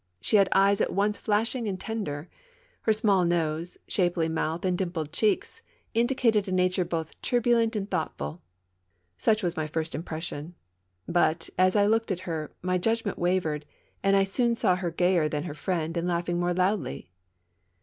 She had eyes at once flashing and tender. Her small nose, shapely mouth and dimpled cheeks indicated a nature both turbulent and thoughtful. Such was my first impression. But, as I looked at her, my judgment wavered, and I soon saw her gayer than her friend and laughing more loudly.